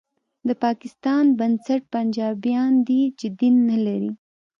د پاکستان بنسټ پنجابیان دي چې دین نه لري